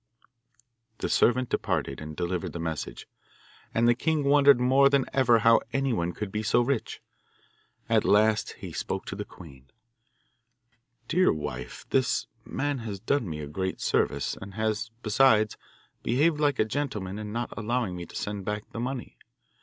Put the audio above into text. The servant departed and delivered the message, and the king wondered more than ever how anyone could be so rich. At last he spoke to the queen: 'Dear wife, this man has done me a great service, and has, besides, behaved like a gentleman in not allowing me to send back the money.